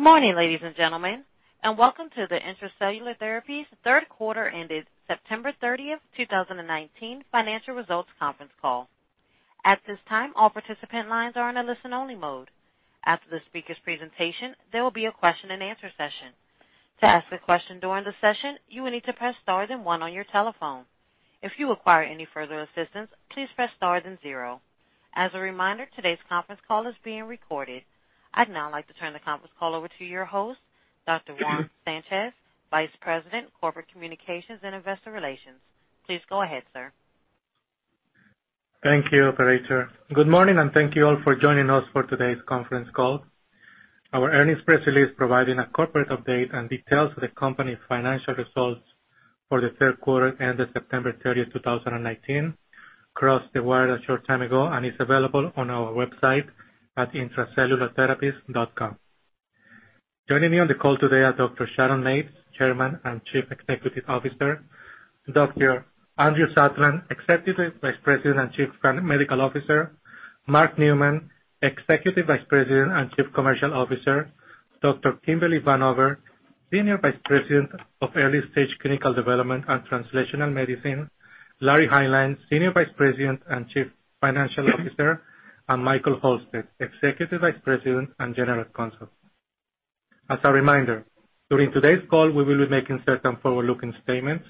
Good morning, ladies and gentlemen, and welcome to the Intra-Cellular Therapies third quarter ended September 30th, 2019 financial results conference call. At this time, all participant lines are in a listen-only mode. After the speakers' presentation, there will be a question and answer session. To ask a question during the session, you will need to press star then one on your telephone. If you require any further assistance, please press star then zero. As a reminder, today's conference call is being recorded. I'd now like to turn the conference call over to your host, Dr. Juan Sanchez, Vice President, Corporate Communications and Investor Relations. Please go ahead, sir. Thank you, operator. Good morning, thank you all for joining us for today's conference call. Our earnings press release providing a corporate update and details of the company's financial results for the third quarter ended September 30, 2019 crossed the wire a short time ago and is available on our website at intracellulartherapies.com. Joining me on the call today are Dr. Sharon Mates, Chairman and Chief Executive Officer. Dr. Andrew Satlin, Executive Vice President and Chief Medical Officer. Mark Neumann, Executive Vice President and Chief Commercial Officer. Dr. Kimberly Vanover, Senior Vice President of Early-Stage Clinical Development and Translational Medicine. Larry Hineline, Senior Vice President and Chief Financial Officer, and Michael Halstead, Executive Vice President and General Counsel. As a reminder, during today's call, we will be making certain forward-looking statements.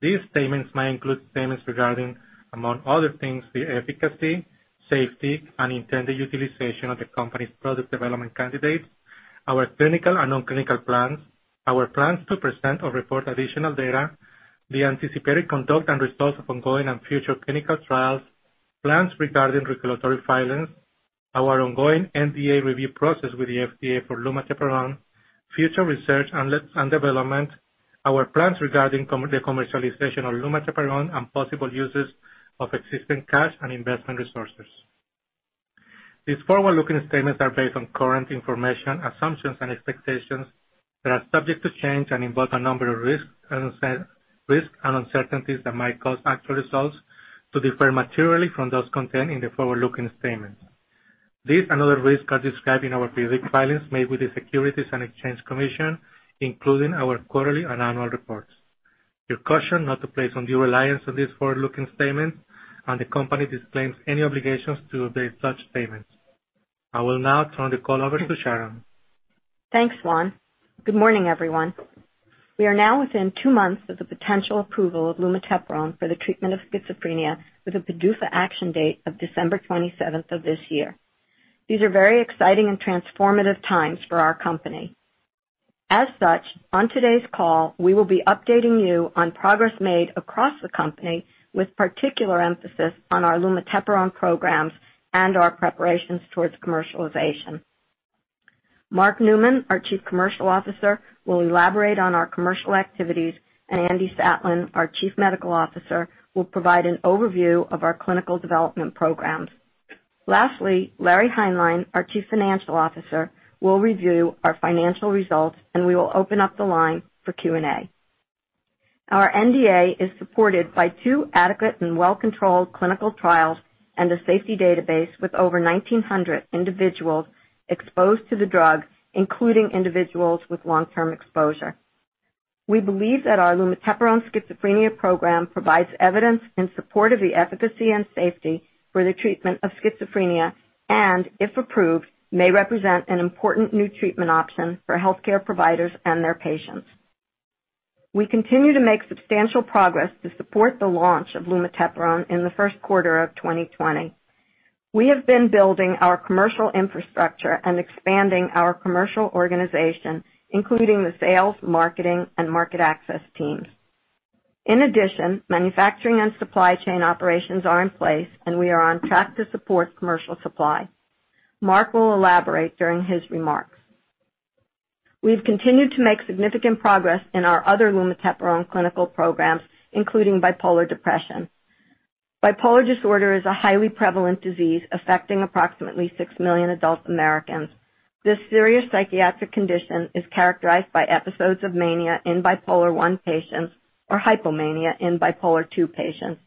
These statements might include statements regarding, among other things, the efficacy, safety, and intended utilization of the company's product development candidates, our clinical and non-clinical plans, our plans to present or report additional data, the anticipated conduct and results of ongoing and future clinical trials, plans regarding regulatory filings, our ongoing NDA review process with the FDA for lumateperone, future research and development, our plans regarding the commercialization of lumateperone, and possible uses of existing cash and investment resources. These forward-looking statements are based on current information, assumptions and expectations that are subject to change and involve a number of risks and uncertainties that might cause actual results to differ materially from those contained in the forward-looking statements. These and other risks are described in our filings made with the Securities and Exchange Commission, including our quarterly and annual reports. You're cautioned not to place undue reliance on these forward-looking statements, and the company disclaims any obligations to update such statements. I will now turn the call over to Sharon. Thanks, Juan. Good morning, everyone. We are now within two months of the potential approval of lumateperone for the treatment of schizophrenia with a PDUFA action date of December 27th of this year. These are very exciting and transformative times for our company. As such, on today's call, we will be updating you on progress made across the company with particular emphasis on our lumateperone programs and our preparations towards commercialization. Mark Neumann, our Chief Commercial Officer, will elaborate on our commercial activities, and Andrew Satlin, our Chief Medical Officer, will provide an overview of our clinical development programs. Lastly, Larry Hineline, our Chief Financial Officer, will review our financial results, and we will open up the line for Q&A. Our NDA is supported by two adequate and well-controlled clinical trials and a safety database with over 1,900 individuals exposed to the drug, including individuals with long-term exposure. We believe that our lumateperone schizophrenia program provides evidence in support of the efficacy and safety for the treatment of schizophrenia and, if approved, may represent an important new treatment option for healthcare providers and their patients. We continue to make substantial progress to support the launch of lumateperone in the first quarter of 2020. We have been building our commercial infrastructure and expanding our commercial organization, including the sales, marketing, and market access teams. In addition, manufacturing and supply chain operations are in place, and we are on track to support commercial supply. Mark will elaborate during his remarks. We've continued to make significant progress in our other lumateperone clinical programs, including bipolar depression. Bipolar disorder is a highly prevalent disease affecting approximately 6 million adult Americans. This serious psychiatric condition is characterized by episodes of mania in bipolar I patients or hypomania in bipolar II patients.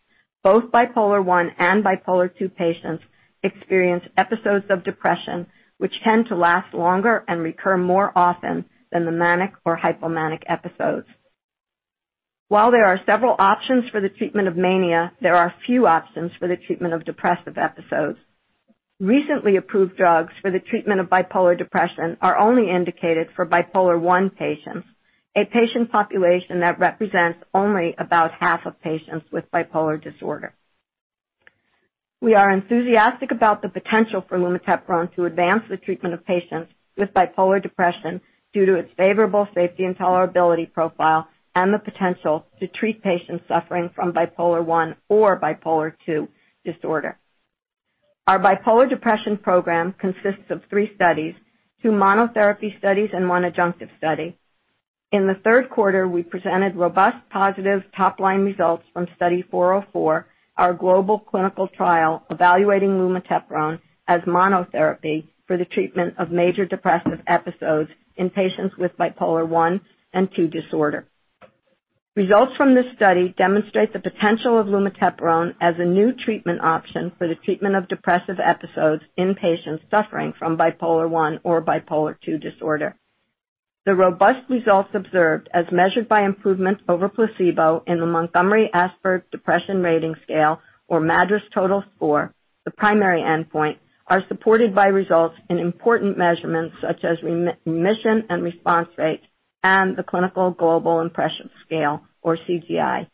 Both Bipolar I and Bipolar II patients experience episodes of depression which tend to last longer and recur more often than the manic or hypomanic episodes. While there are several options for the treatment of mania, there are few options for the treatment of depressive episodes. Recently approved drugs for the treatment of bipolar depression are only indicated for Bipolar I patients, a patient population that represents only about half of patients with bipolar disorder. We are enthusiastic about the potential for lumateperone to advance the treatment of patients with bipolar depression due to its favorable safety and tolerability profile and the potential to treat patients suffering from Bipolar I or Bipolar II disorder. Our bipolar depression program consists of three studies, two monotherapy studies, and one adjunctive study. In the third quarter, we presented robust positive top-line results from Study 404, our global clinical trial evaluating lumateperone as monotherapy for the treatment of major depressive episodes in patients with Bipolar I and II disorder. Results from this study demonstrate the potential of lumateperone as a new treatment option for the treatment of depressive episodes in patients suffering from Bipolar I or Bipolar II disorder. The robust results observed as measured by improvements over placebo in the Montgomery-Åsberg Depression Rating Scale, or MADRS total score, the primary endpoint, are supported by results in important measurements such as remission and response rate, and the Clinical Global Impression Scale, or CGI.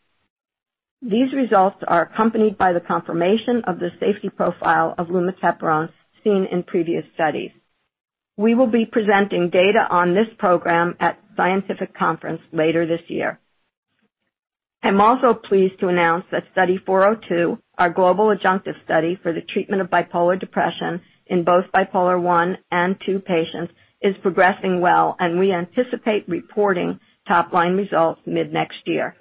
These results are accompanied by the confirmation of the safety profile of lumateperone seen in previous studies. We will be presenting data on this program at scientific conference later this year. I'm also pleased to announce that Study 402, our global adjunctive study for the treatment of bipolar depression in both bipolar I and II patients, is progressing well, and we anticipate reporting top-line results mid-next year.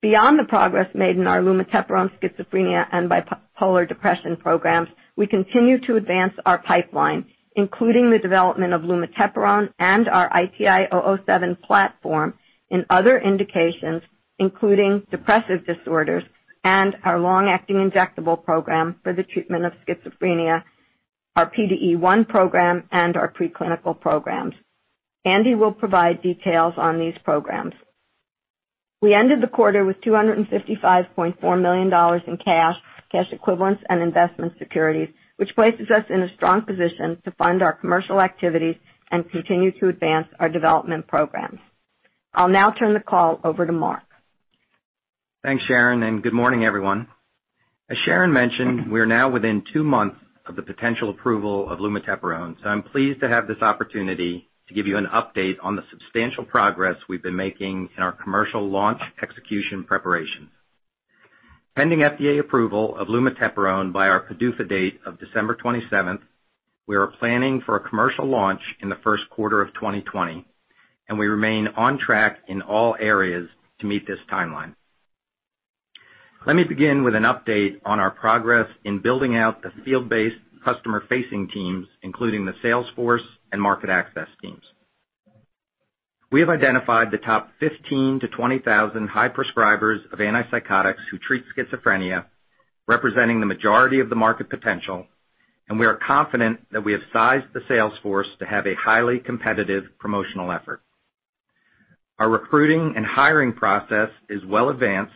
Beyond the progress made in our lumateperone schizophrenia and bipolar depression programs, we continue to advance our pipeline, including the development of lumateperone and our ITI-007 platform in other indications, including depressive disorders and our long-acting injectable program for the treatment of schizophrenia, our PDE1 program, and our preclinical programs. Andy will provide details on these programs. We ended the quarter with $255.4 million in cash equivalents, and investment securities, which places us in a strong position to fund our commercial activities and continue to advance our development programs. I'll now turn the call over to Mark. Thanks, Sharon. Good morning, everyone. As Sharon mentioned, we are now within two months of the potential approval of lumateperone. I'm pleased to have this opportunity to give you an update on the substantial progress we've been making in our commercial launch execution preparation. Pending FDA approval of lumateperone by our PDUFA date of December 27th, we are planning for a commercial launch in the first quarter of 2020. We remain on track in all areas to meet this timeline. Let me begin with an update on our progress in building out the field-based customer-facing teams, including the sales force and market access teams. We have identified the top 15,000-20,000 high prescribers of antipsychotics who treat schizophrenia, representing the majority of the market potential. We are confident that we have sized the sales force to have a highly competitive promotional effort. Our recruiting and hiring process is well advanced,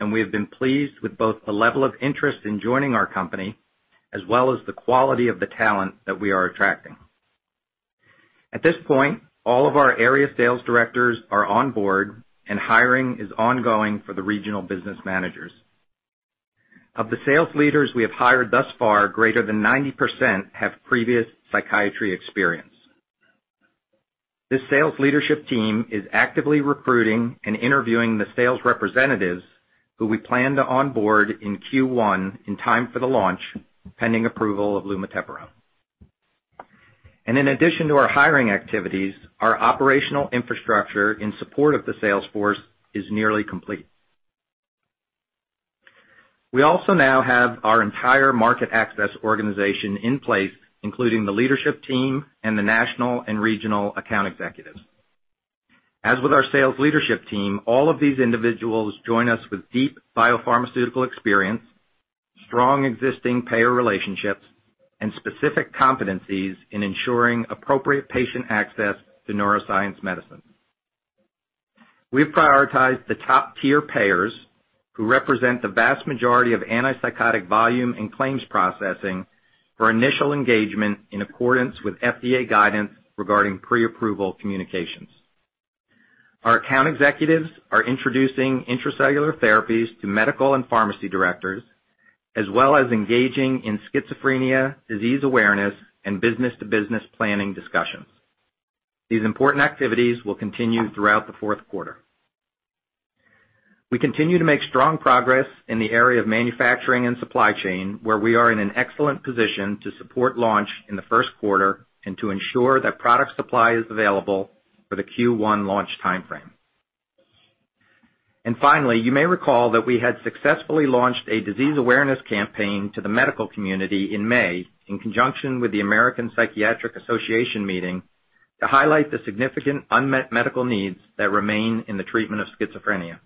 and we have been pleased with both the level of interest in joining our company as well as the quality of the talent that we are attracting. At this point, all of our area sales directors are on board, and hiring is ongoing for the regional business managers. Of the sales leaders we have hired thus far, greater than 90% have previous psychiatry experience. This sales leadership team is actively recruiting and interviewing the sales representatives who we plan to onboard in Q1 in time for the launch, pending approval of lumateperone. In addition to our hiring activities, our operational infrastructure in support of the sales force is nearly complete. We also now have our entire market access organization in place, including the leadership team and the national and regional account executives. As with our sales leadership team, all of these individuals join us with deep biopharmaceutical experience, strong existing payer relationships, and specific competencies in ensuring appropriate patient access to neuroscience medicine. We've prioritized the top-tier payers, who represent the vast majority of antipsychotic volume and claims processing for initial engagement in accordance with FDA guidance regarding pre-approval communications. Our account executives are introducing Intra-Cellular Therapies to medical and pharmacy directors, as well as engaging in schizophrenia, disease awareness, and business-to-business planning discussions. These important activities will continue throughout the fourth quarter. We continue to make strong progress in the area of manufacturing and supply chain, where we are in an excellent position to support launch in the first quarter and to ensure that product supply is available for the Q1 launch timeframe. Finally, you may recall that we had successfully launched a disease awareness campaign to the medical community in May in conjunction with the American Psychiatric Association meeting to highlight the significant unmet medical needs that remain in the treatment of schizophrenia.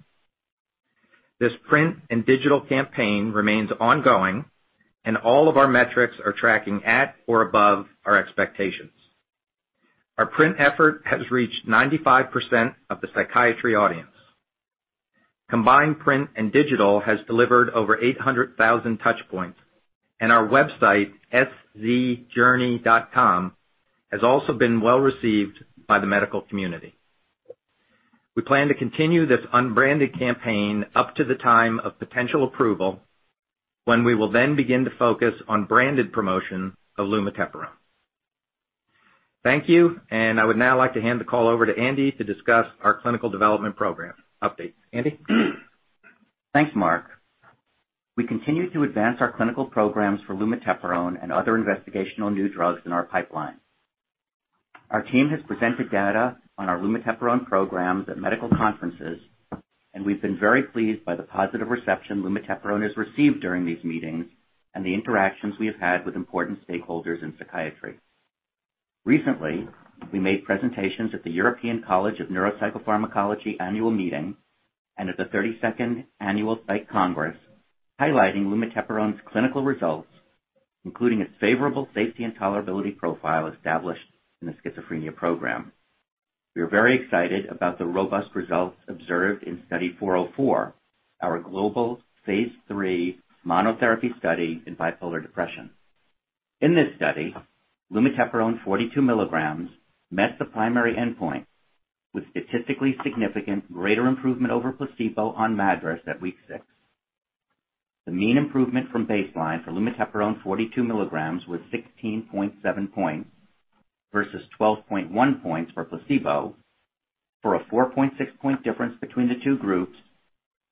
This print and digital campaign remains ongoing, and all of our metrics are tracking at or above our expectations. Our print effort has reached 95% of the psychiatry audience. Combined print and digital has delivered over 800,000 touchpoints, and our website, szjourney.com, has also been well-received by the medical community. We plan to continue this unbranded campaign up to the time of potential approval, when we will then begin to focus on branded promotion of lumateperone. Thank you, and I would now like to hand the call over to Andy to discuss our clinical development program update. Andy? Thanks, Mark. We continue to advance our clinical programs for lumateperone and other investigational new drugs in our pipeline. Our team has presented data on our lumateperone programs at medical conferences, and we've been very pleased by the positive reception lumateperone has received during these meetings and the interactions we have had with important stakeholders in psychiatry. Recently, we made presentations at the European College of Neuropsychopharmacology annual meeting and at the 32nd Annual Psych Congress highlighting lumateperone's clinical results, including its favorable safety and tolerability profile established in the schizophrenia program. We are very excited about the robust results observed in Study 404, our global phase III monotherapy study in bipolar depression. In this study, lumateperone 42 milligrams met the primary endpoint with statistically significant greater improvement over placebo on MADRS at week six. The mean improvement from baseline for lumateperone 42 milligrams was 16.7 points versus 12.1 points for placebo, for a 4.6 point difference between the two groups,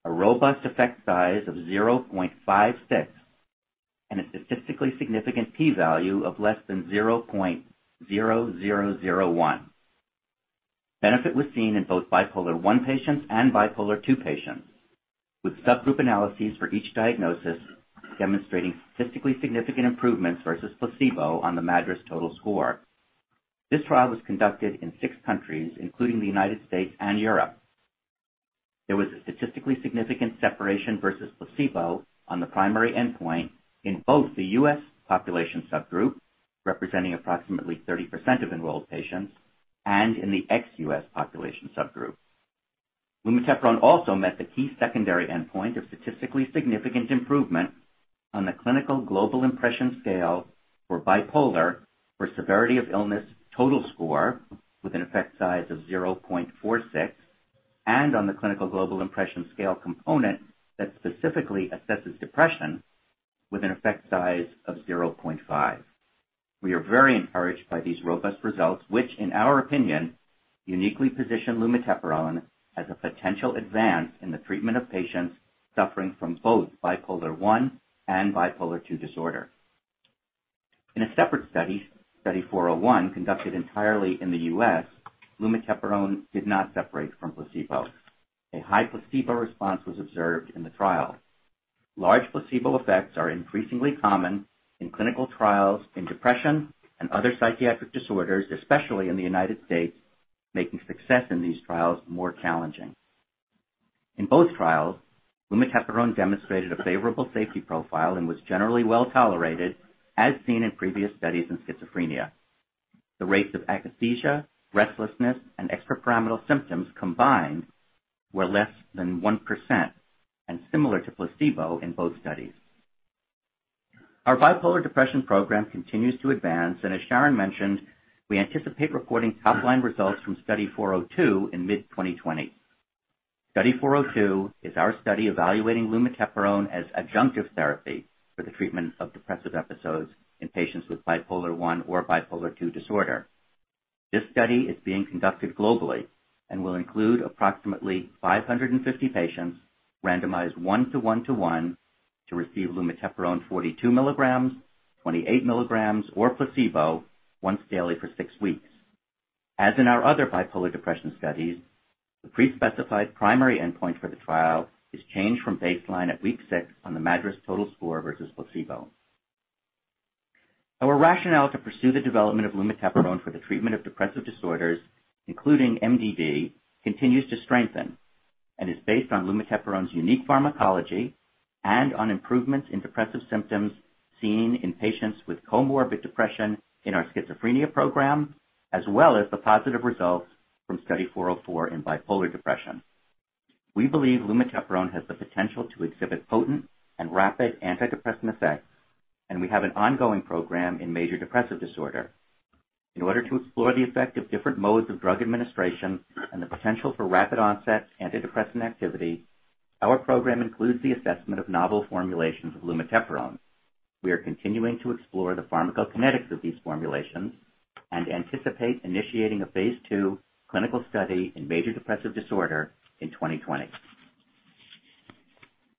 a robust effect size of 0.56, and a statistically significant P value of less than 0.0001. Benefit was seen in both bipolar I patients and bipolar II patients, with subgroup analyses for each diagnosis demonstrating statistically significant improvements versus placebo on the MADRS total score. This trial was conducted in six countries, including the United States and Europe. There was a statistically significant separation versus placebo on the primary endpoint in both the U.S. population subgroup, representing approximately 30% of enrolled patients, and in the ex-U.S. population subgroup. lumateperone also met the key secondary endpoint of statistically significant improvement on the Clinical Global Impression Scale for bipolar for severity of illness total score with an effect size of 0.46 and on the Clinical Global Impression Scale component that specifically assesses depression with an effect size of 0.5. We are very encouraged by these robust results, which in our opinion, uniquely position lumateperone as a potential advance in the treatment of patients suffering from both bipolar I and bipolar II disorder. In a separate study, Study 401, conducted entirely in the U.S., lumateperone did not separate from placebo. A high placebo response was observed in the trial. Large placebo effects are increasingly common in clinical trials in depression and other psychiatric disorders, especially in the United States, making success in these trials more challenging. In both trials, lumateperone demonstrated a favorable safety profile and was generally well-tolerated, as seen in previous studies in schizophrenia. The rates of akathisia, restlessness, and extrapyramidal symptoms combined were less than 1% and similar to placebo in both studies. As Sharon mentioned, we anticipate reporting top-line results from Study 402 in mid 2020. Study 402 is our study evaluating lumateperone as adjunctive therapy for the treatment of depressive episodes in patients with bipolar I or bipolar II disorder. This study is being conducted globally and will include approximately 550 patients randomized one-to-one to one to receive lumateperone 42 milligrams, 28 milligrams, or placebo once daily for six weeks. As in our other bipolar depression studies, the pre-specified primary endpoint for the trial is changed from baseline at week six on the MADRS total score versus placebo. Our rationale to pursue the development of lumateperone for the treatment of depressive disorders, including MDD, continues to strengthen and is based on lumateperone's unique pharmacology and on improvements in depressive symptoms seen in patients with comorbid depression in our schizophrenia program, as well as the positive results from Study 404 in bipolar depression. We believe lumateperone has the potential to exhibit potent and rapid antidepressant effects, and we have an ongoing program in major depressive disorder. In order to explore the effect of different modes of drug administration and the potential for rapid-onset antidepressant activity, our program includes the assessment of novel formulations of lumateperone. We are continuing to explore the pharmacokinetics of these formulations and anticipate initiating a phase II clinical study in major depressive disorder in 2020.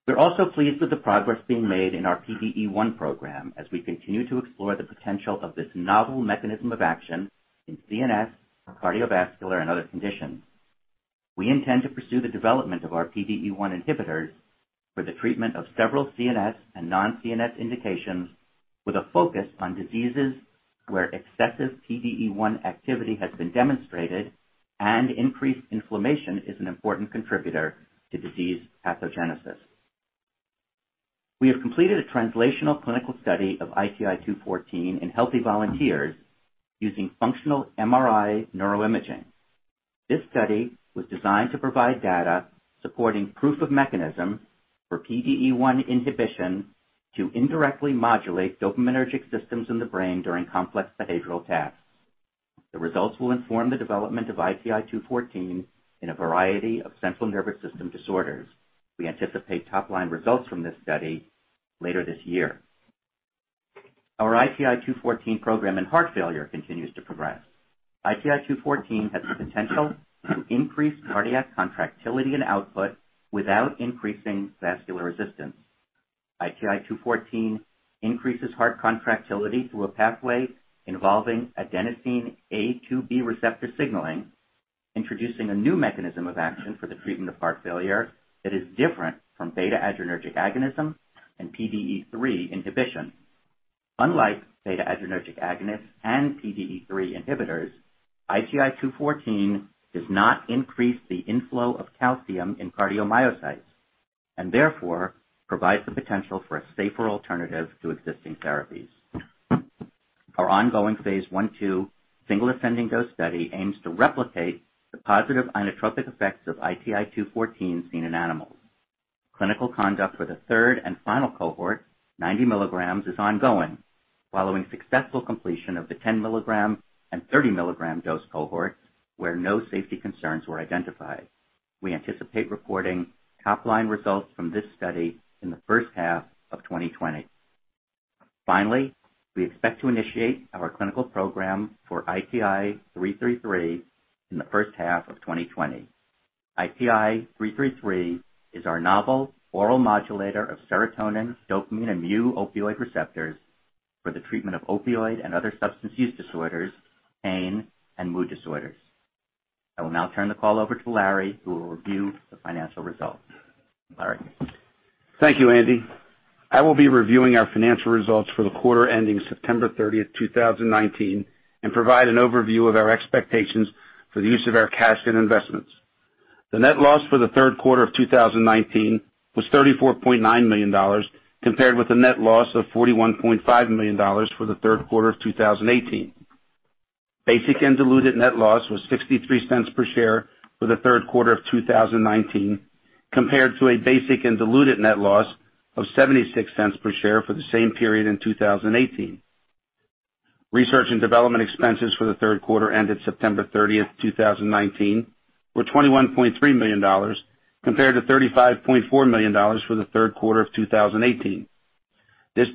We're also pleased with the progress being made in our PDE1 program as we continue to explore the potential of this novel mechanism of action in CNS for cardiovascular and other conditions. We intend to pursue the development of our PDE1 inhibitors for the treatment of several CNS and non-CNS indications with a focus on diseases where excessive PDE1 activity has been demonstrated and increased inflammation is an important contributor to disease pathogenesis. We have completed a translational clinical study of ITI-214 in healthy volunteers using fMRI neuroimaging. This study was designed to provide data supporting proof of mechanism for PDE1 inhibition to indirectly modulate dopaminergic systems in the brain during complex behavioral tasks. The results will inform the development of ITI-214 in a variety of central nervous system disorders. We anticipate top-line results from this study later this year. Our ITI-214 program in heart failure continues to progress. ITI-214 has the potential to increase cardiac contractility and output without increasing vascular resistance. ITI-214 increases heart contractility through a pathway involving adenosine A2B receptor signaling. Introducing a new mechanism of action for the treatment of heart failure that is different from beta-adrenergic agonism and PDE3 inhibition. Unlike beta-adrenergic agonists and PDE3 inhibitors, ITI-214 does not increase the inflow of calcium in cardiomyocytes, and therefore provides the potential for a safer alternative to existing therapies. Our ongoing Phase I/II single ascending dose study aims to replicate the positive inotropic effects of ITI-214 seen in animals. Clinical conduct for the third and final cohort, 90 milligrams, is ongoing following successful completion of the 10 milligram and 30 milligram dose cohort where no safety concerns were identified. We anticipate reporting top-line results from this study in the first half of 2020. Finally, we expect to initiate our clinical program for ITI-333 in the first half of 2020. ITI-333 is our novel oral modulator of serotonin, dopamine, and mu opioid receptors for the treatment of opioid and other substance use disorders, pain, and mood disorders. I will now turn the call over to Larry, who will review the financial results. Larry. Thank you, Andy. I will be reviewing our financial results for the third quarter ending September 30, 2019, and provide an overview of our expectations for the use of our cash and investments. The net loss for the third quarter of 2019 was $34.9 million, compared with a net loss of $41.5 million for the third quarter of 2018. Basic and diluted net loss was $0.63 per share for the third quarter of 2019, compared to a basic and diluted net loss of $0.76 per share for the same period in 2018. Research and development expenses for the third quarter ended September 30, 2019, were $21.3 million, compared to $35.4 million for the third quarter of 2018. This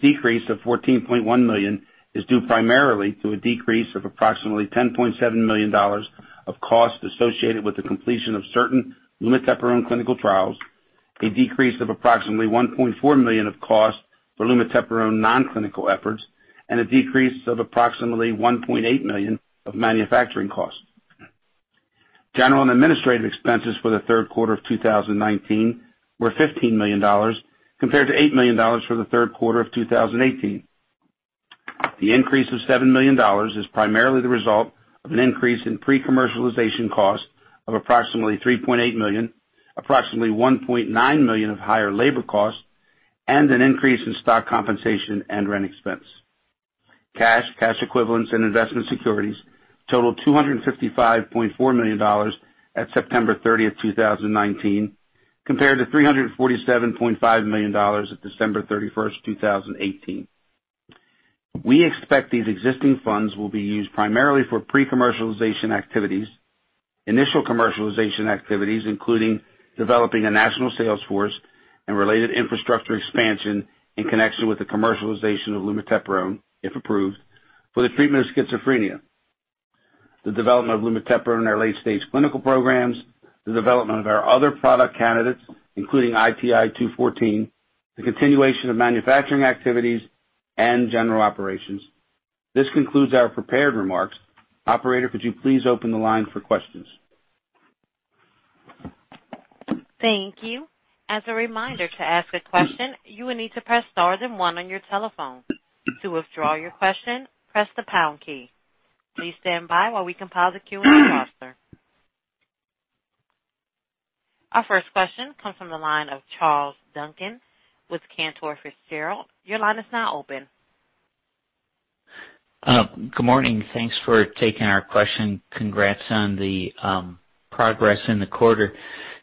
decrease of $14.1 million is due primarily to a decrease of approximately $10.7 million of costs associated with the completion of certain lumateperone clinical trials, a decrease of approximately $1.4 million of cost for lumateperone non-clinical efforts, and a decrease of approximately $1.8 million of manufacturing costs. General and administrative expenses for the third quarter of 2019 were $15 million, compared to $8 million for the third quarter of 2018. The increase of $7 million is primarily the result of an increase in pre-commercialization costs of approximately $3.8 million, approximately $1.9 million of higher labor costs, and an increase in stock compensation and rent expense. Cash, cash equivalents, and investment securities totaled $255.4 million at September 30th, 2019, compared to $347.5 million at December 31st, 2018. We expect these existing funds will be used primarily for pre-commercialization activities, initial commercialization activities, including developing a national sales force and related infrastructure expansion in connection with the commercialization of lumateperone, if approved, for the treatment of schizophrenia. The development of lumateperone in our late-stage clinical programs, the development of our other product candidates, including ITI-214, the continuation of manufacturing activities, and general operations. This concludes our prepared remarks. Operator, could you please open the line for questions? Thank you. As a reminder, to ask a question, you will need to press star then one on your telephone. To withdraw your question, press the pound key. Please stand by while we compile the queue roster. Our first question comes from the line of Charles Duncan with Cantor Fitzgerald. Your line is now open. Good morning. Thanks for taking our question. Congrats on the progress in the quarter.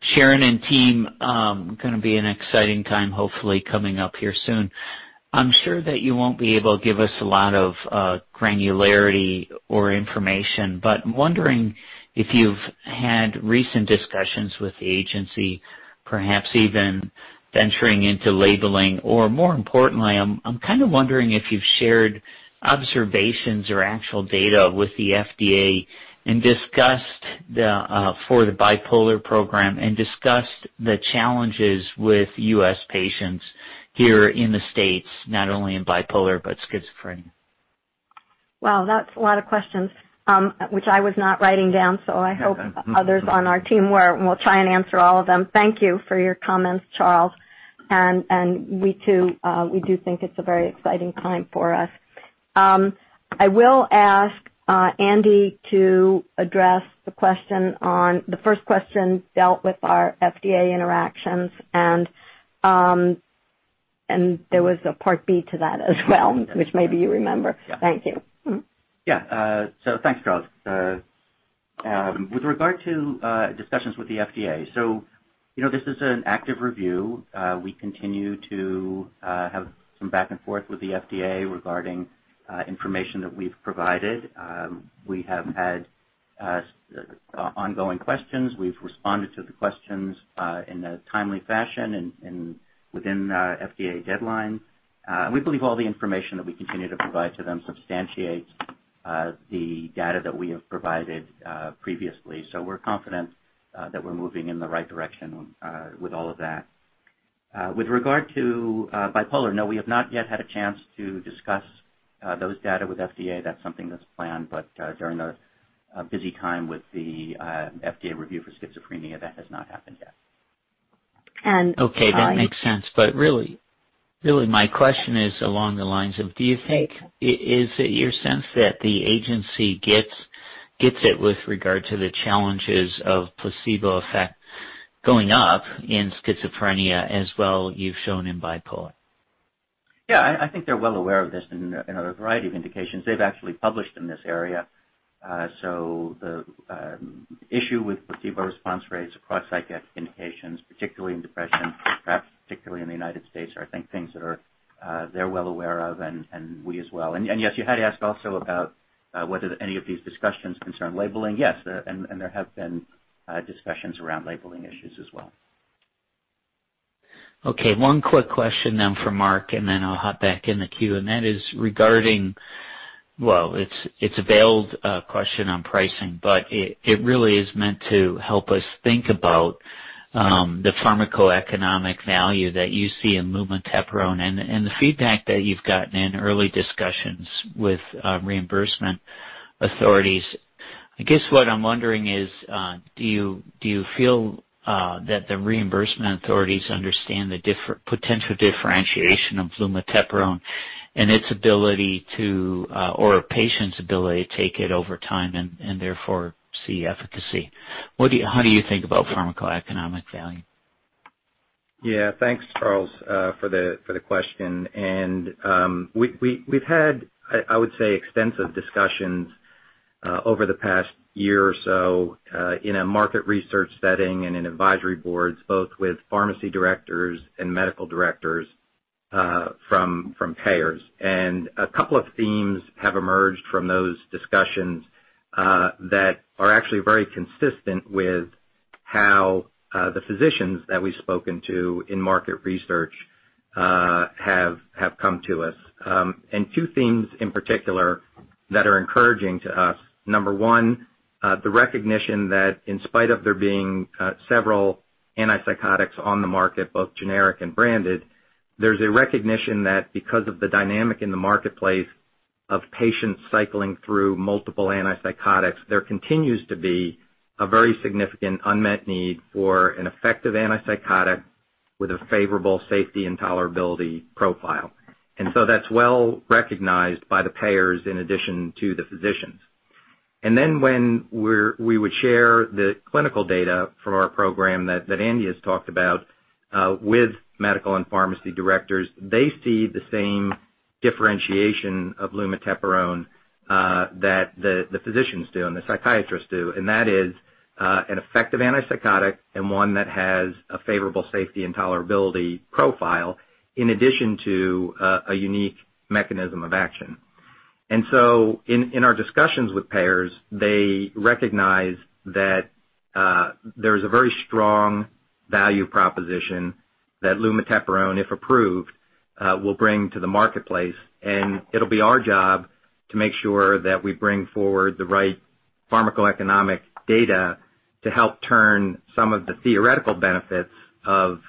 Sharon and team, going to be an exciting time, hopefully coming up here soon. I'm sure that you won't be able to give us a lot of granularity or information, but I'm wondering if you've had recent discussions with the agency, perhaps even venturing into labeling, or more importantly, I'm kind of wondering if you've shared observations or actual data with the FDA for the bipolar program, and discussed the challenges with U.S. patients here in the States, not only in bipolar, but schizophrenia. Wow, that's a lot of questions, which I was not writing down, so I hope others on our team were, and we'll try and answer all of them. Thank you for your comments, Charles. We do think it's a very exciting time for us. I will ask Andy to address the question. The first question dealt with our FDA interactions, and there was a part B to that as well, which maybe you remember. Yeah. Thank you. Mm-hmm. Yeah. Thanks, Charles. With regard to discussions with the FDA, this is an active review. We continue to have some back and forth with the FDA regarding information that we've provided. We have had ongoing questions. We've responded to the questions in a timely fashion and within FDA deadline. We believe all the information that we continue to provide to them substantiates the data that we have provided previously. We're confident that we're moving in the right direction with all of that. With regard to bipolar, no, we have not yet had a chance to discuss those data with FDA. That's something that's planned, during the busy time with the FDA review for schizophrenia, that has not happened yet. And- Okay. That makes sense. Really my question is along the lines of, is it your sense that the agency gets it with regard to the challenges of placebo effect going up in schizophrenia as well you've shown in bipolar? Yeah. I think they're well aware of this in a variety of indications. They've actually published in this area. The issue with placebo response rates across psychiatric indications, particularly in depression, perhaps particularly in the United States, are, I think, things that they're well aware of and we as well. Yes, you had asked also about whether any of these discussions concern labeling. Yes. There have been discussions around labeling issues as well. Okay. One quick question for Mark, then I'll hop back in the queue. That is regarding, well, it's a veiled question on pricing, but it really is meant to help us think about the pharmacoeconomic value that you see in lumateperone and the feedback that you've gotten in early discussions with reimbursement authorities. I guess what I'm wondering is, do you feel that the reimbursement authorities understand the potential differentiation of lumateperone and its ability to, or a patient's ability to take it over time and therefore see efficacy? How do you think about pharmacoeconomic value? Thanks, Charles, for the question. We've had, I would say, extensive discussions over the past year or so in a market research setting and in advisory boards, both with pharmacy directors and medical directors from payers. A couple of themes have emerged from those discussions that are actually very consistent with how the physicians that we've spoken to in market research have come to us. Two themes in particular that are encouraging to us. Number one, the recognition that in spite of there being several antipsychotics on the market, both generic and branded, there's a recognition that because of the dynamic in the marketplace of patients cycling through multiple antipsychotics, there continues to be a very significant unmet need for an effective antipsychotic with a favorable safety and tolerability profile. That's well recognized by the payers in addition to the physicians. When we would share the clinical data from our program that Andy has talked about with medical and pharmacy directors, they see the same differentiation of lumateperone that the physicians do and the psychiatrists do. That is an effective antipsychotic and one that has a favorable safety and tolerability profile in addition to a unique mechanism of action. In our discussions with payers, they recognize that there is a very strong value proposition that lumateperone, if approved, will bring to the marketplace. It'll be our job to make sure that we bring forward the right pharmacoeconomic data to help turn some of the theoretical benefits of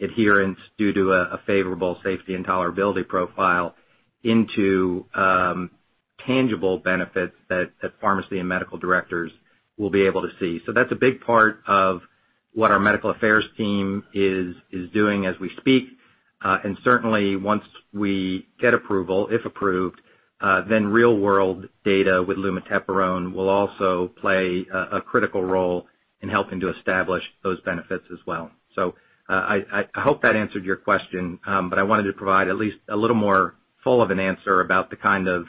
adherence due to a favorable safety and tolerability profile into tangible benefits that pharmacy and medical directors will be able to see. That's a big part of what our medical affairs team is doing as we speak. Certainly once we get approval, if approved, then real world data with lumateperone will also play a critical role in helping to establish those benefits as well. I hope that answered your question, but I wanted to provide at least a little more full of an answer about the kind of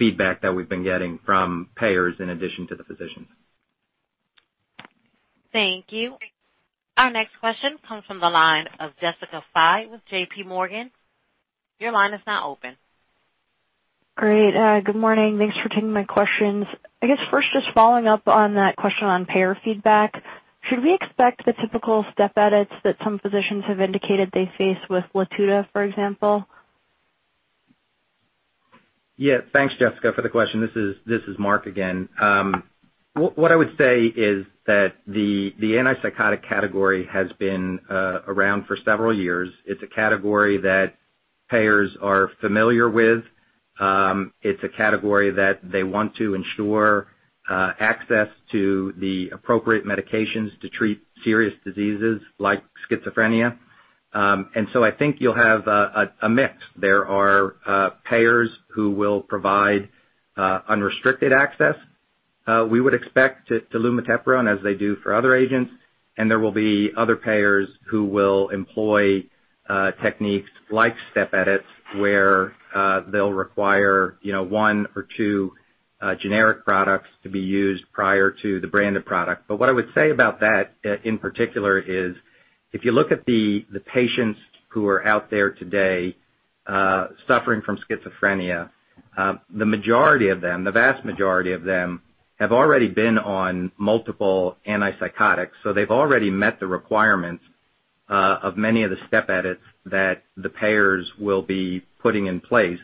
feedback that we've been getting from payers in addition to the physicians. Thank you. Our next question comes from the line of Jessica Fye with J.P. Morgan. Your line is now open. Great. Good morning. Thanks for taking my questions. I guess first, just following up on that question on payer feedback, should we expect the typical step edits that some physicians have indicated they face with Latuda, for example? Yeah. Thanks, Jessica, for the question. This is Mark again. What I would say is that the antipsychotic category has been around for several years. It's a category that payers are familiar with. It's a category that they want to ensure access to the appropriate medications to treat serious diseases like schizophrenia. I think you'll have a mix. There are payers who will provide unrestricted access. We would expect it to lumateperone as they do for other agents. There will be other payers who will employ techniques like step edits, where they'll require one or two generic products to be used prior to the branded product. What I would say about that, in particular, is if you look at the patients who are out there today suffering from schizophrenia, the majority of them, the vast majority of them have already been on multiple antipsychotics. They've already met the requirements of many of the step edits that the payers will be putting in place.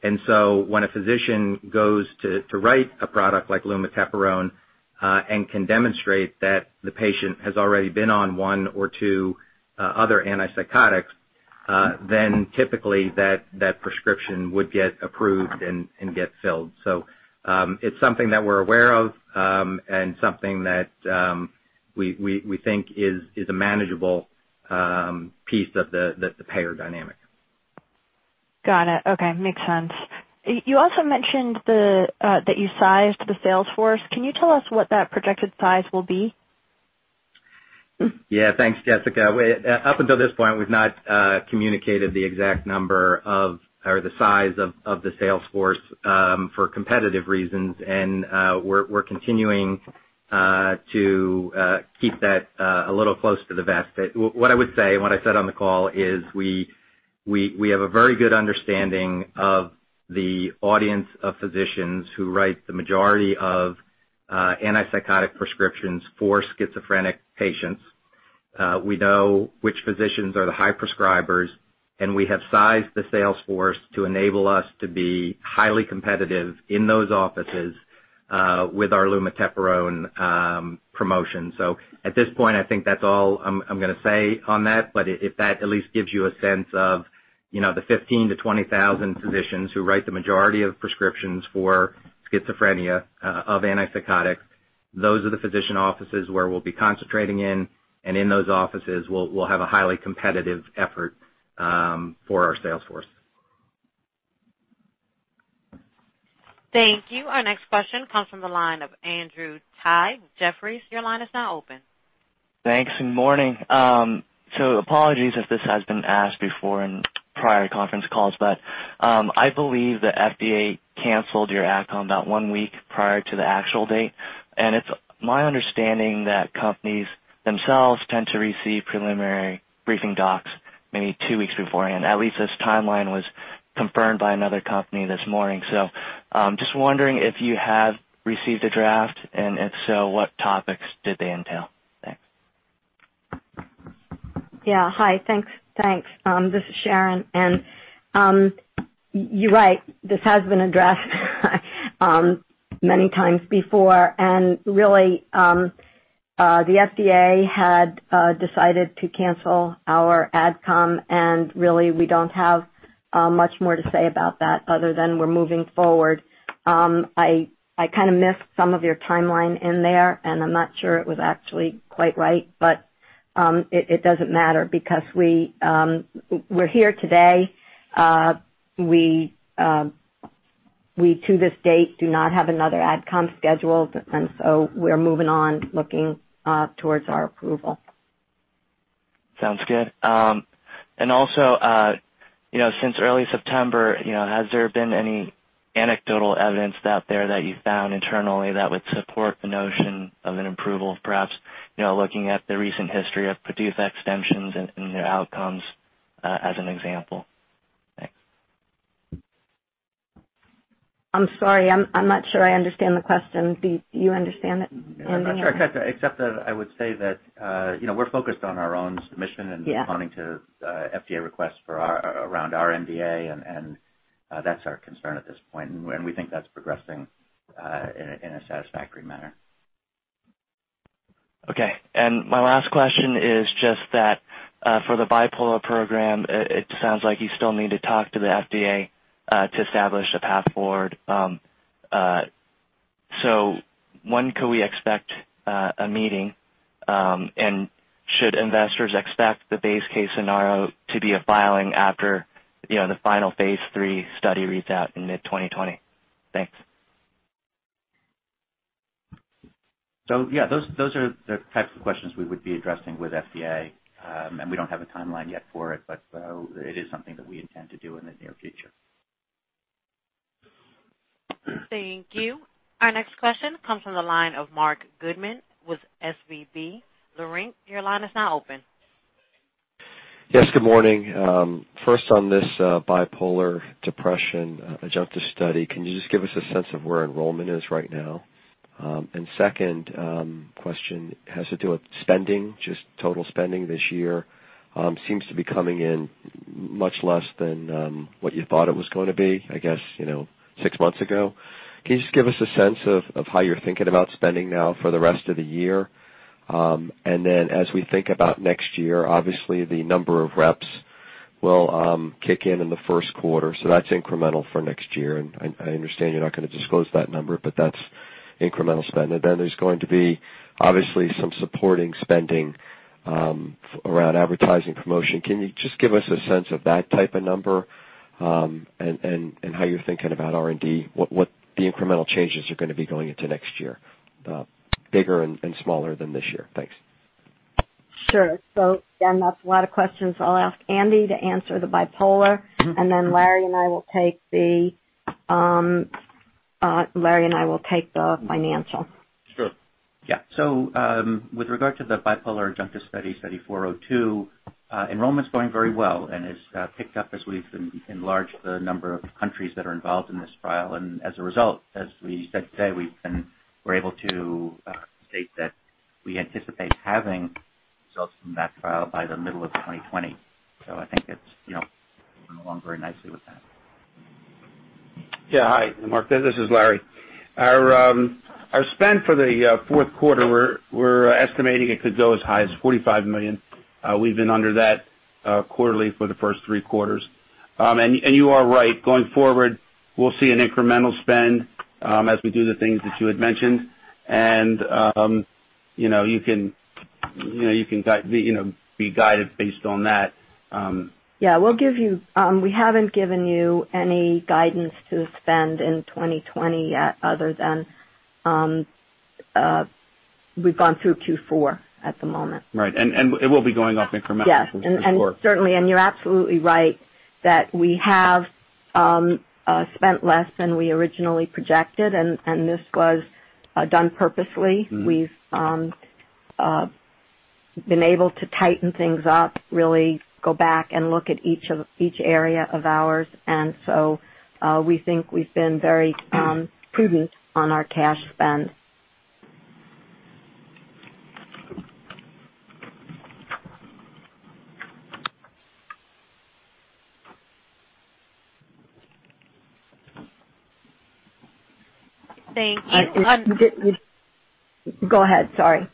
When a physician goes to write a product like lumateperone and can demonstrate that the patient has already been on one or two other antipsychotics, then typically that prescription would get approved and get filled. It's something that we're aware of and something that we think is a manageable piece of the payer dynamic. Got it. Okay. Makes sense. You also mentioned that you sized the sales force. Can you tell us what that projected size will be? Yeah. Thanks, Jessica. Up until this point, we've not communicated the exact number of, or the size of the sales force for competitive reasons. We're continuing to keep that a little close to the vest. What I would say, what I said on the call is we have a very good understanding of the audience of physicians who write the majority of antipsychotic prescriptions for schizophrenic patients. We know which physicians are the high prescribers, and we have sized the sales force to enable us to be highly competitive in those offices, with our lumateperone promotion. At this point, I think that's all I'm going to say on that, but if that at least gives you a sense of the 15,000 to 20,000 physicians who write the majority of prescriptions for schizophrenia of antipsychotics, those are the physician offices where we'll be concentrating in, and in those offices, we'll have a highly competitive effort for our sales force. Thank you. Our next question comes from the line of Andrew Tsai, Jefferies. Your line is now open. Thanks. Morning. Apologies if this has been asked before in prior conference calls, but, I believe the FDA canceled your AdCom about one week prior to the actual date, and it's my understanding that companies themselves tend to receive preliminary briefing docs maybe two weeks beforehand. At least this timeline was confirmed by another company this morning. Just wondering if you have received a draft, and if so, what topics did they entail? Thanks. Yeah. Hi. Thanks. This is Sharon. You're right, this has been addressed many times before. Really, the FDA had decided to cancel our AdCom. Really, we don't have much more to say about that other than we're moving forward. I missed some of your timeline in there. I'm not sure it was actually quite right. It doesn't matter because we're here today. We to this date, do not have another AdCom scheduled. We're moving on, looking towards our approval. Sounds good. Also, since early September, has there been any anecdotal evidence out there that you found internally that would support the notion of an approval, perhaps, looking at the recent history of PDUFA extensions and their outcomes as an example? Thanks. I'm sorry. I'm not sure I understand the question. Do you understand it, Andy? Except that I would say that we're focused on our own submission. Yeah responding to FDA requests around our NDA, and that's our concern at this point, and we think that's progressing in a satisfactory manner. Okay. My last question is just that, for the bipolar program, it sounds like you still need to talk to the FDA to establish a path forward. When could we expect a meeting? Should investors expect the base case scenario to be a filing after the final phase III study reads out in mid 2020? Thanks. Yeah, those are the types of questions we would be addressing with FDA. We don't have a timeline yet for it, but it is something that we intend to do in the near future. Thank you. Our next question comes from the line of Marc Goodman with SVB Leerink, your line is now open. Yes, good morning. First on this bipolar depression adjunctive study, can you just give us a sense of where enrollment is right now? Second question has to do with spending, just total spending this year seems to be coming in much less than what you thought it was going to be, I guess six months ago. Can you just give us a sense of how you're thinking about spending now for the rest of the year? As we think about next year, obviously the number of reps will kick in in the first quarter, so that's incremental for next year. I understand you're not going to disclose that number, but that's incremental spend. There's going to be obviously some supporting spending around advertising promotion. Can you just give us a sense of that type of number, and how you're thinking about R&D, what the incremental changes are going to be going into next year, bigger and smaller than this year? Thanks. Sure. Again, that's a lot of questions. I'll ask Andy to answer the bipolar, and then Larry and I will take the financial. Sure. Yeah. With regard to the bipolar adjunctive study, Study 402, enrollment's going very well and has picked up as we've enlarged the number of countries that are involved in this trial. As a result, as we said today, we're able to state that we anticipate having results from that trial by the middle of 2020. I think it's moving along very nicely with that. Hi, Mark. This is Larry. Our spend for the fourth quarter, we're estimating it could go as high as $45 million. We've been under that quarterly for the first three quarters. You are right. Going forward, we'll see an incremental spend as we do the things that you had mentioned. You can be guided based on that. Yeah. We haven't given you any guidance to spend in 2020 yet other than, we've gone through Q4 at the moment. Right. It will be going up incrementally from Q4. Yes. Certainly, and you're absolutely right that we have spent less than we originally projected, and this was done purposely. We've been able to tighten things up, really go back and look at each area of ours. We think we've been very prudent on our cash spend. Thank you. Go ahead, sorry.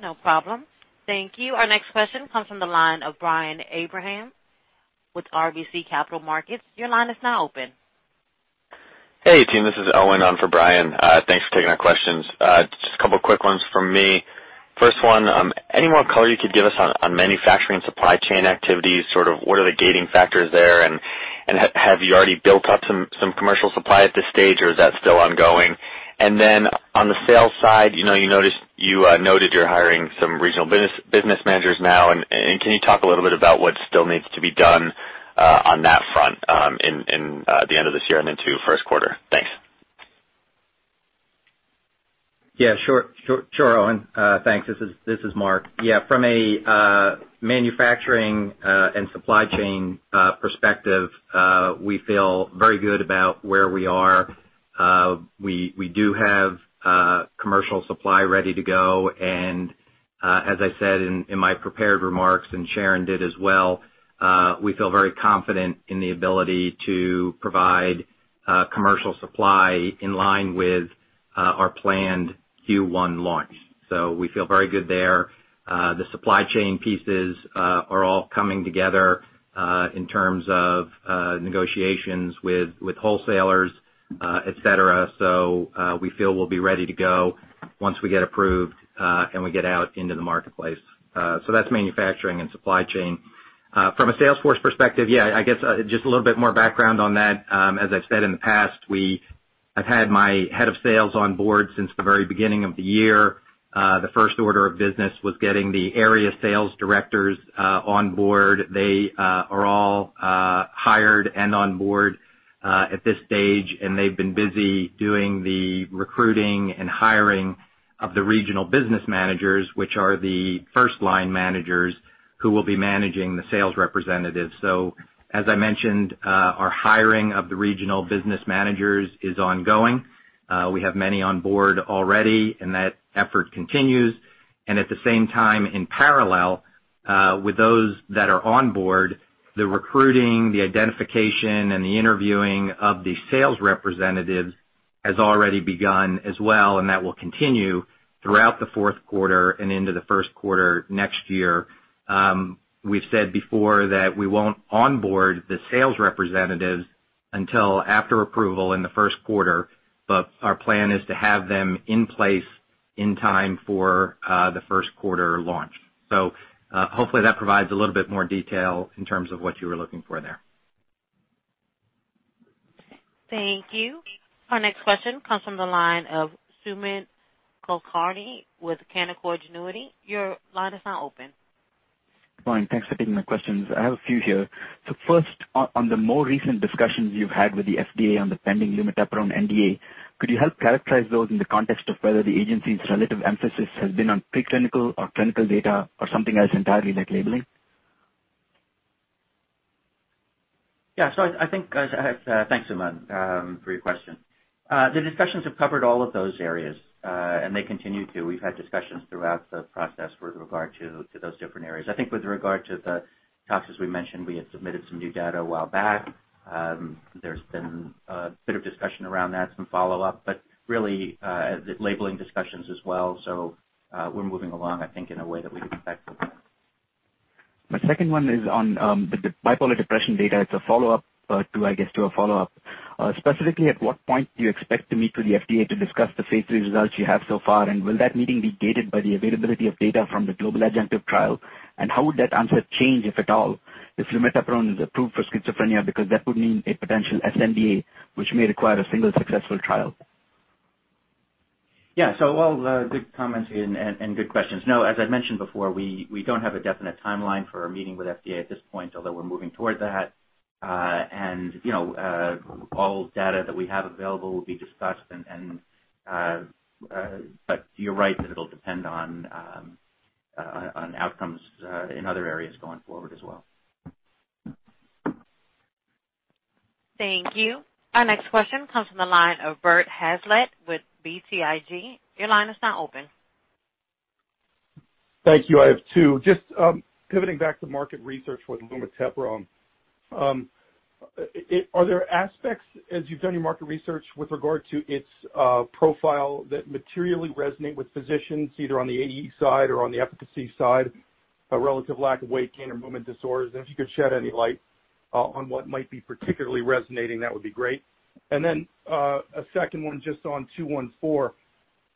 No problem. Thank you. Our next question comes from the line of Brian Abrahams with RBC Capital Markets. Your line is now open. Hey, team, this is Owen on for Brian. Thanks for taking our questions. Just a couple quick ones from me. First one, any more color you could give us on manufacturing supply chain activities, sort of what are the gating factors there and have you already built up some commercial supply at this stage, or is that still ongoing? On the sales side, you noted you're hiring some regional business managers now, and can you talk a little bit about what still needs to be done on that front in the end of this year and into first quarter? Thanks. Yeah, sure, Owen. Thanks. This is Mark. From a manufacturing and supply chain perspective, we feel very good about where we are. We do have commercial supply ready to go, and as I said in my prepared remarks, and Sharon did as well, we feel very confident in the ability to provide commercial supply in line with our planned Q1 launch. We feel very good there. The supply chain pieces are all coming together, in terms of negotiations with wholesalers, et cetera. We feel we'll be ready to go once we get approved, and we get out into the marketplace. That's manufacturing and supply chain. From a sales force perspective, I guess just a little bit more background on that. As I've said in the past, I've had my head of sales on board since the very beginning of the year. The first order of business was getting the area sales directors on board. They are all hired and on board at this stage, and they've been busy doing the recruiting and hiring of the regional business managers, which are the first-line managers who will be managing the sales representatives. As I mentioned, our hiring of the regional business managers is ongoing. We have many on board already, and that effort continues. At the same time, in parallel, with those that are on board, the recruiting, the identification, and the interviewing of the sales representatives has already begun as well, and that will continue throughout the fourth quarter and into the first quarter next year. We've said before that we won't onboard the sales representatives until after approval in the first quarter, but our plan is to have them in place in time for the first quarter launch. Hopefully that provides a little bit more detail in terms of what you were looking for there. Thank you. Our next question comes from the line of Sumant Kulkarni with Canaccord Genuity. Your line is now open. Good morning. Thanks for taking my questions. I have a few here. First, on the more recent discussions you've had with the FDA on the pending lumateperone NDA, could you help characterize those in the context of whether the agency's relative emphasis has been on preclinical or clinical data or something else entirely, like labeling? Thanks, Sumant, for your question. The discussions have covered all of those areas, and they continue to. We've had discussions throughout the process with regard to those different areas. I think with regard to the tox, as we mentioned, we had submitted some new data a while back. There's been a bit of discussion around that, some follow-up, but really, the labeling discussions as well. We're moving along, I think, in a way that we can expect. My second one is on the bipolar depression data. It's a follow-up to, I guess, to a follow-up. Specifically, at what point do you expect to meet with the FDA to discuss the phase III results you have so far, and will that meeting be gated by the availability of data from the global adjunctive trial? How would that answer change, if at all, if lumateperone is approved for schizophrenia, because that would mean a potential sNDA, which may require a single successful trial. Yeah. All good comments and good questions. No, as I've mentioned before, we don't have a definite timeline for a meeting with FDA at this point, although we're moving toward that. All data that we have available will be discussed, but you're right that it'll depend on outcomes in other areas going forward as well. Thank you. Our next question comes from the line of Robert Hazlett with BTIG. Your line is now open. Thank you. I have two. Just pivoting back to market research with lumateperone. Are there aspects, as you've done your market research, with regard to its profile that materially resonate with physicians, either on the AE side or on the efficacy side, a relative lack of weight gain or movement disorders? If you could shed any light on what might be particularly resonating, that would be great. A second one just on two one four.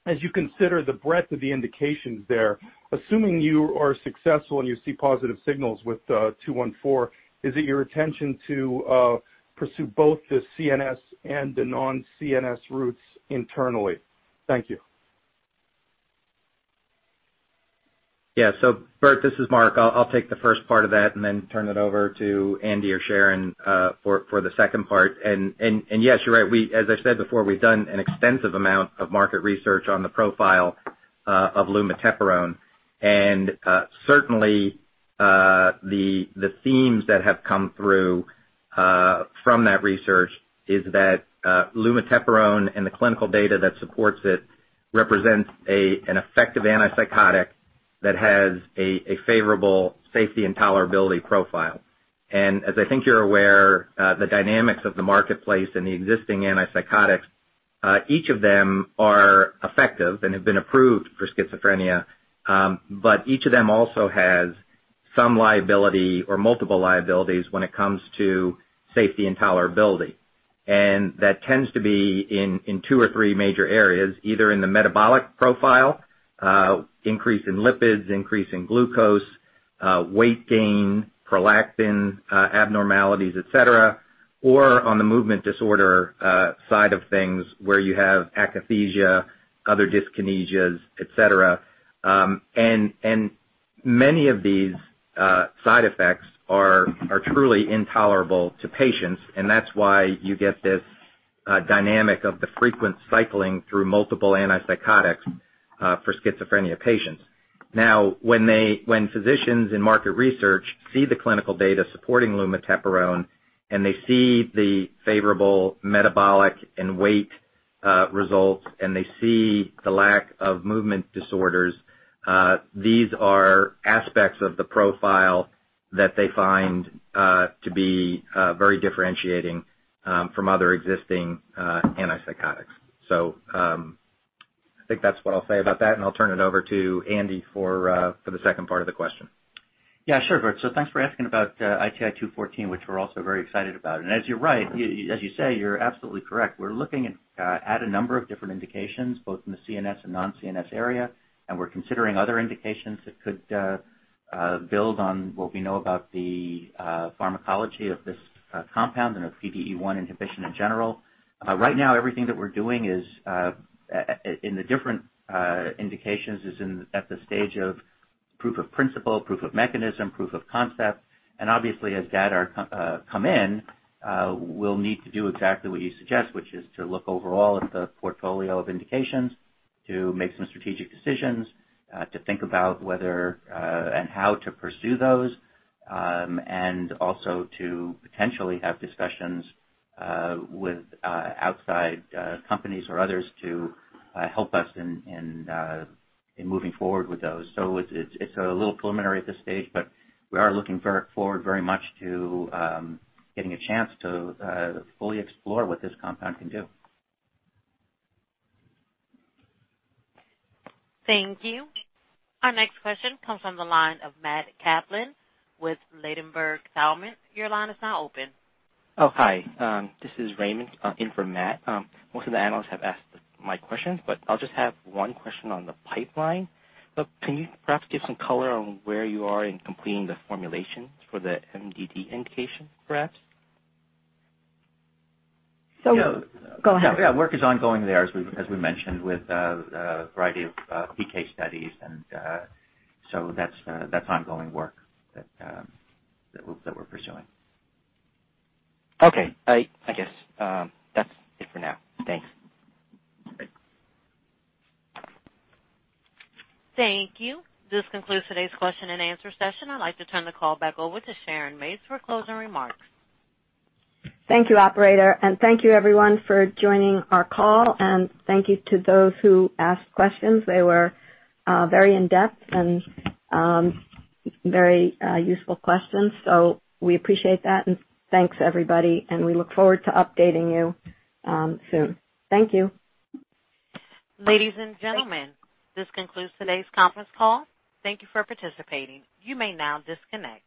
As you consider the breadth of the indications there, assuming you are successful and you see positive signals with two one four, is it your intention to pursue both the CNS and the non-CNS routes internally? Thank you. Yeah. Bert, this is Mark. I'll take the first part of that and then turn it over to Andy or Sharon for the second part. Yes, you're right. As I said before, we've done an extensive amount of market research on the profile of lumateperone, certainly, the themes that have come through from that research is that lumateperone and the clinical data that supports it represents an effective antipsychotic that has a favorable safety and tolerability profile. As I think you're aware, the dynamics of the marketplace and the existing antipsychotics, each of them are effective and have been approved for schizophrenia. Each of them also has some liability or multiple liabilities when it comes to safety and tolerability. That tends to be in two or three major areas, either in the metabolic profile, increase in lipids, increase in glucose, weight gain, prolactin abnormalities, et cetera, or on the movement disorder side of things, where you have akathisia, other dyskinesias, et cetera. Many of these side effects are truly intolerable to patients, and that's why you get this dynamic of the frequent cycling through multiple antipsychotics for schizophrenia patients. When physicians in market research see the clinical data supporting lumateperone, and they see the favorable metabolic and weight results, and they see the lack of movement disorders, these are aspects of the profile that they find to be very differentiating from other existing antipsychotics. I think that's what I'll say about that, and I'll turn it over to Andy for the second part of the question. Yeah, sure, Burt. Thanks for asking about ITI-214, which we're also very excited about. As you say, you're absolutely correct. We're looking at a number of different indications, both in the CNS and non-CNS area, and we're considering other indications that could build on what we know about the pharmacology of this compound and of PDE1 inhibition in general. Right now, everything that we're doing in the different indications is at the stage of proof of principle, proof of mechanism, proof of concept. Obviously, as data come in, we'll need to do exactly what you suggest, which is to look overall at the portfolio of indications, to make some strategic decisions, to think about whether and how to pursue those, and also to potentially have discussions with outside companies or others to help us in moving forward with those. It's a little preliminary at this stage, but we are looking forward very much to getting a chance to fully explore what this compound can do. Thank you. Our next question comes from the line of Matthew Kaplan with Ladenburg Thalmann. Your line is now open. Oh, hi. This is Raymond in for Matt. Most of the analysts have asked my questions, but I'll just have one question on the pipeline. Can you perhaps give some color on where you are in completing the formulations for the MDD indication, perhaps? So- Yeah. Go ahead. Yeah. Work is ongoing there, as we mentioned, with a variety of PK studies. That's ongoing work that we're pursuing. Okay. I guess that's it for now. Thanks. Bye. Thank you. This concludes today's question and answer session. I'd like to turn the call back over to Sharon Mates for closing remarks. Thank you, operator, and thank you everyone for joining our call, and thank you to those who asked questions. They were very in-depth and very useful questions. We appreciate that. Thanks everybody, and we look forward to updating you soon. Thank you. Ladies and gentlemen, this concludes today's conference call. Thank you for participating. You may now disconnect.